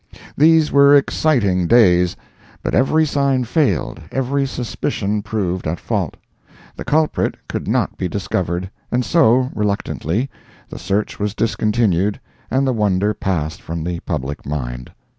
These were exciting days. But every sign failed, every suspicion proved at fault. The culprit could not be discovered, and so, reluctantly, the search was discontinued, and the wonder passed from the public mind.